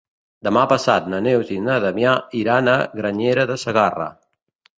Demà passat na Neus i na Damià iran a Granyena de Segarra.